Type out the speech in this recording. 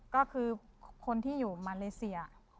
ก็คือคนที่อยู่มาเลเซีย